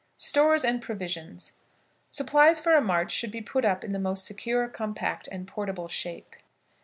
STORES AND PROVISIONS. Supplies for a march should be put up in the most secure, compact, and portable shape.